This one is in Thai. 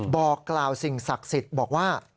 บอกกล่าวสิ่งศักดิ์สิทธิ์บอกว่า